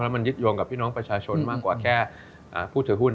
มันยึดโยงกับพี่น้องประชาชนมากกว่าแค่ผู้ถือหุ้น